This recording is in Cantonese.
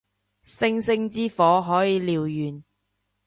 星星之火可以燎原